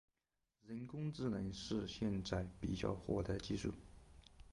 人工智能是现在比较火的技术。